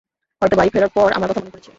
হয়তো বাড়ি ফেরার পর আমার কথা মনে পড়েছে।